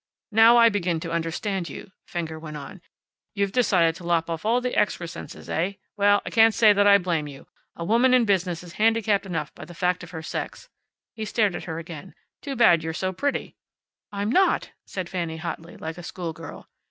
"Now I begin to understand you," Fenger went on. "You've decided to lop off all the excrescences, eh? Well, I can't say that I blame you. A woman in business is handicapped enough by the very fact of her sex." He stared at her again. "Too bad you're so pretty." "I'm not!" said Fanny hotly, like a school girl.